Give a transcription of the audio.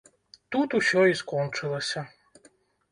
Тут усё і скончылася.